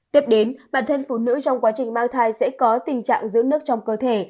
tiếp đến bản thân phụ nữ trong quá trình mang thai sẽ có tình trạng giữ nước trong cơ thể